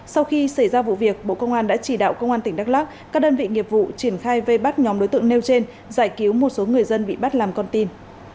sau khi xảy ra vụ việc bộ công an đã chỉ đạo công an tỉnh đắk lắc các đơn vị nghiệp vụ triển khai vây bắt nhóm đối tượng nêu trên giải cứu một số người dân bị bắt làm con tin